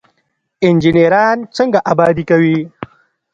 انجنیران څنګه ابادي کوي؟